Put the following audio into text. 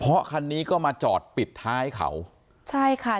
เพราะคันนี้ก็มาจอดปิดท้ายเขาใช่ค่ะ